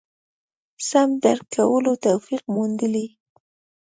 سم درک کولو توفیق موندلي.